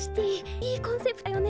いいコンセプトだよね。